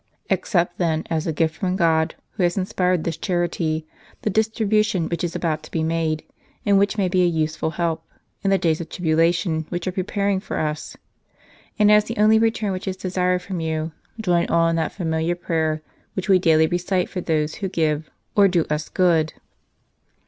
" Accept then, as a gift from God, who has inspired this charity, the distribution which is about to be made, and which may be a useful help, in the days of tribulation which are pre paring for us. And as the only return which is desired from you, join all in that familiar prayer which we daily recite for those who give, or do us good."